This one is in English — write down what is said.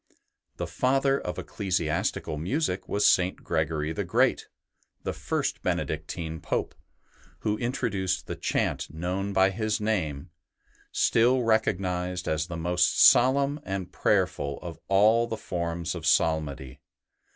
The father of ecclesiastical music was St. Gregory the Great, the first Benedictine Pope, who introduced the chant known by his name, still recognized as the most solemn and prayerful of all the forms of psalmody.